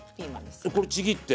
これちぎって。